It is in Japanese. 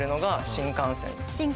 新幹線です。